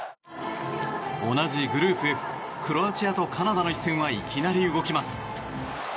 同じグループＦクロアチアとカナダの一戦はいきなり動きます。